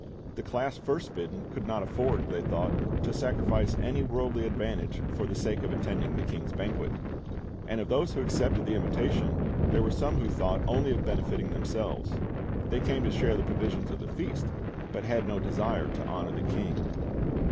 The class first bidden could not afford, they thought, to sacrifice any worldly advantage for the sake of attending the king's banquet. And of those who accepted the in\itation, there were some who thought only of benefiting themselves. They came to share the provisions of the feast, but had no desire to honor the king.